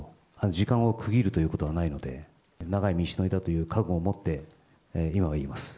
時間を区切るということはないので、長い道のりだという覚悟を持って、今はいます。